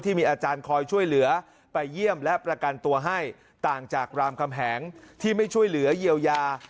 มีอาจารย์คอยช่วยเหลือไปเยี่ยมและประกันตัวให้ต่างจากรามคำแหงที่ไม่ช่วยเหลือเยียวยา